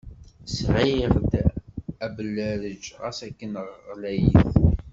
Sɣiɣ-d abellarej ɣas akken ɣlayit.